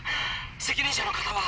責任者の方は？」。